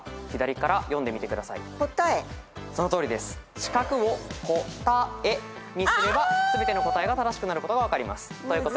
四角を「コタエ」にすれば全ての答えが正しくなることが分かります。